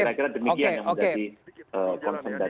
kira kira demikian yang menjadi konsentrasi